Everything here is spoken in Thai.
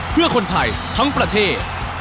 เพื่อคนไทยทั้งประเทศ